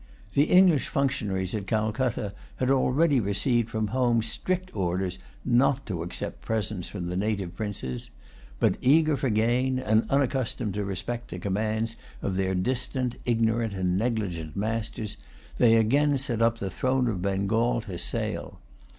The English functionaries at Calcutta had already received from home strict orders not to accept presents from the native princes. But, eager for gain, and unaccustomed to respect the commands of their distant, ignorant, and negligent masters, they again set up the throne of Bengal to sale.